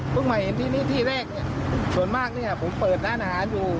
พึ่งมาเห็นที่นี่ที่แรกส่วนมากผมเปิดร้านอาหารอยู่